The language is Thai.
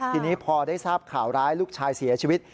ทีนี้พอได้ทราบข่าวร้ายลูกชายเสียชีวิต